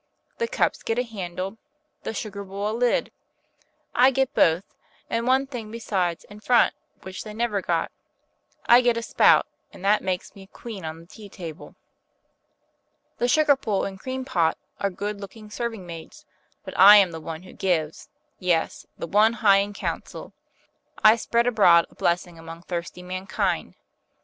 The cups get a handle, the sugar bowl a lid; I get both, and one thing besides in front which they never got, I get a spout, and that makes me a queen on the tea table. The sugar bowl and cream pot are good looking serving maids; but I am the one who gives, yes, the one high in council. I spread abroad a blessing among thirsty mankind.